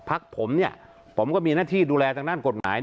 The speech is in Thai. พักผมเนี่ยผมก็มีหน้าที่ดูแลทางด้านกฎหมาย